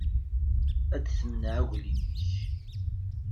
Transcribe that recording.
Ad temneɛ aglim-ik.